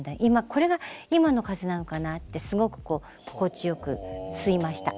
これが今の風なのかなってすごく心地よく吸いました。